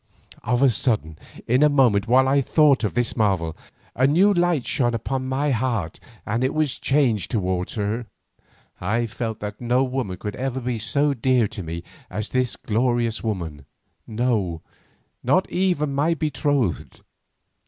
Of a sudden, in a moment while I thought of this marvel, a new light shone upon my heart and it was changed towards her. I felt that no woman could ever be so dear to me as this glorious woman, no, not even my betrothed.